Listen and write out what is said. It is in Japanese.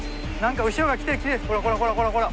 ほらほらほらほら。